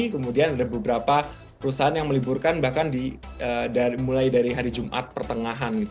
kemudian ada beberapa perusahaan yang meliburkan bahkan mulai dari hari jumat pertengahan